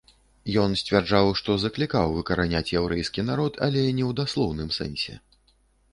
Ён сцвярджаў, што заклікаў выкараняць яўрэйскі народ, але не ў даслоўным сэнсе.